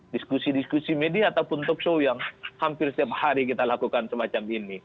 diskusi diskusi media ataupun talkshow yang hampir setiap hari kita lakukan semacam ini